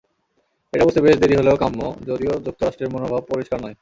এটা বুঝতে বেশ দেরি হলেও কাম্য, যদিও যুক্তরাষ্ট্রের মনোভাব পরিষ্কার নয়।